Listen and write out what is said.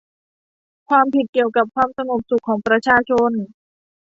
ความผิดเกี่ยวกับความสงบสุขของประชาชน